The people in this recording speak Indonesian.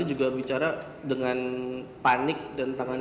dan sudah berbicara sama suami dari pasien